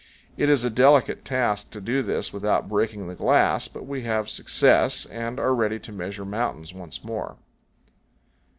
It is a delicate task to do this without breaking the glass; but we have success, and are ready to measure mountains once more.